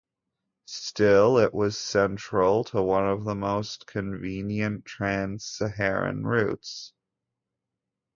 Still, it was central to one of the most convenient trans-Saharan routes.